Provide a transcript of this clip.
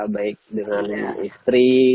baik dengan istri